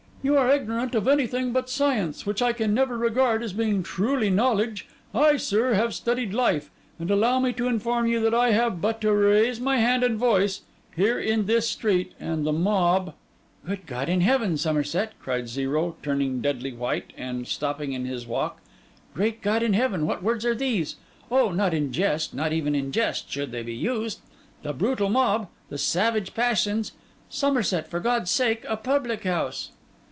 'You are ignorant of anything but science, which I can never regard as being truly knowledge; I, sir, have studied life; and allow me to inform you that I have but to raise my hand and voice—here in this street—and the mob—' 'Good God in heaven, Somerset,' cried Zero, turning deadly white and stopping in his walk, 'great God in heaven, what words are these? Oh, not in jest, not even in jest, should they be used! The brutal mob, the savage passions ... Somerset, for God's sake, a public house!